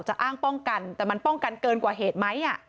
อ้างป้องกันแต่มันป้องกันเกินกว่าเหตุไหม